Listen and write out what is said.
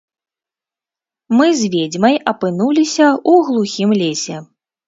Мы з ведзьмай апынуліся ў глухім лесе.